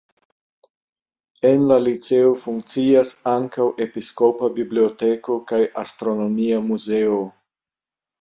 En la liceo funkcias ankaŭ episkopa biblioteko kaj astronomia muzeo.